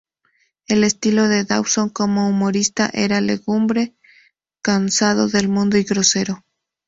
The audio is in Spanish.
El estilo de Dawson como humorista era lúgubre, cansado del mundo y grosero.